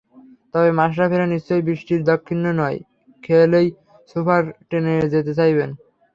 তবে মাশরাফিরা নিশ্চয়ই বৃষ্টির দাক্ষিণ্যে নয়, খেলেই সুপার টেনে যেতে চাইবেন।